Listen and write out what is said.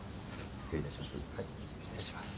失礼いたします。